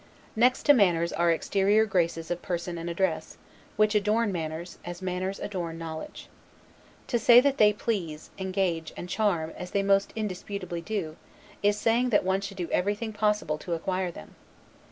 Next to manners are exterior graces of person and address, which adorn manners, as manners adorn knowledge. To say that they please, engage, and charm, as they most indisputably do, is saying that one should do everything possible to acquire them.